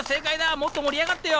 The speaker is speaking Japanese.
もっと盛り上がってよ！